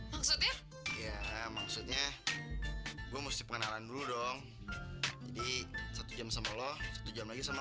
maksudnya ya maksudnya gue mesti pengenalan dulu dong jadi satu jam sama allah satu jam lagi sama